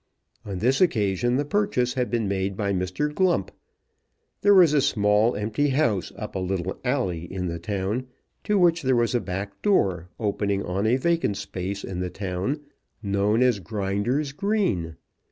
On this occasion the purchase had been made by Mr. Glump. There was a small empty house up a little alley in the town, to which there was a back door opening on a vacant space in the town known as Grinder's Green.